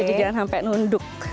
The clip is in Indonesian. kejadian sampai nunduk